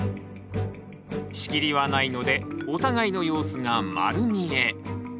仕切りはないのでお互いの様子が丸見え。